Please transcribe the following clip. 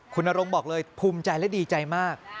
คุณนรงค์บอกเลยภูมิใจและดีใจมาก